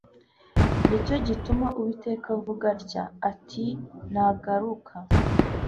ni cyo gituma uwiteka avuga atya ati nugaruka